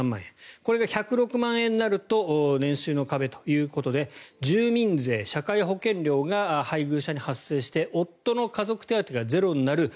これが１０６万円になると年収の壁ということで住民税、社会保険料が配偶者に発生して夫の家族手当がゼロになる。